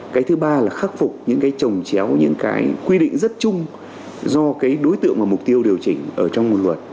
cái thứ ba là khắc phục những cái trồng chéo những cái quy định rất chung do cái đối tượng và mục tiêu điều chỉnh ở trong nguồn luật